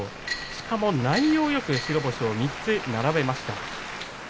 しかも内容よく白星を３つ並べました。